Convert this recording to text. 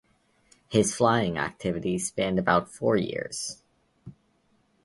His flying activities spanned about four years.